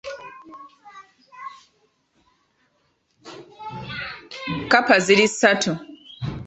Kkapa ziri ssatu .